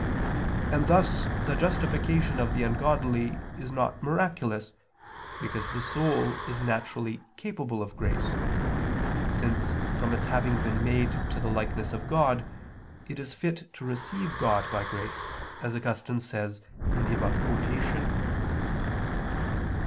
And thus the justification of the ungodly is not miraculous, because the soul is naturally capable of grace; since from its having been made to the likeness of God, it is fit to receive God by grace, as Augustine says, in the above quotation.